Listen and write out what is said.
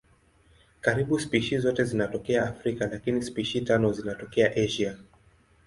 Karibu spishi zote zinatokea Afrika lakini spishi tano zinatokea Asia.